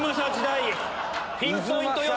ピンポイント予想。